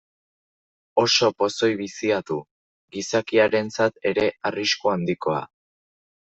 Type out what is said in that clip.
Oso pozoi bizia du, gizakiarentzat ere arrisku handikoa.